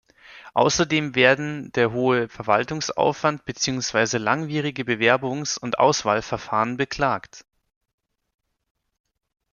Außerdem werden der hohe Verwaltungsaufwand beziehungsweise langwierige Bewerbungs- und Auswahlverfahren beklagt.